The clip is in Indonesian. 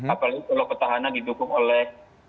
apalagi kalau petahana didukung oleh